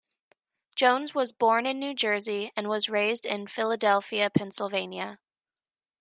Jones was born in New Jersey, and was raised in Philadelphia, Pennsylvania.